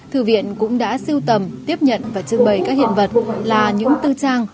thư viện cũng đã siêu tầm tiếp nhận và trưng bày các hiện vật là những tư trang